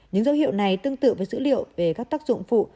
những dấu hiệu này tương tự với dữ liệu về các tác dụng phụ